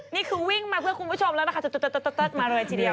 นี่คือวิ่งมาเพื่อคุณผู้ชมแล้วนะคะจะมาเลยทีเดียว